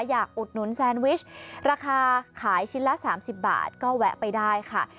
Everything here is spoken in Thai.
อุดหนุนแซนวิชราคาขายชิ้นละ๓๐บาทก็แวะไปได้ค่ะ